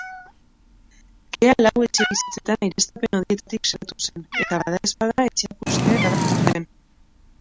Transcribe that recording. Kea lau etxebizitzetan aireztapen hodietatik sartu zen eta badaezpada etxeak hustea erabaki zuten.